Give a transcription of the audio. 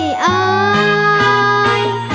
ก็มี